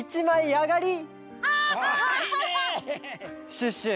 シュッシュ！